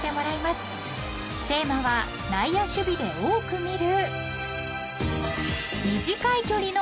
［テーマは内野守備で多く見る］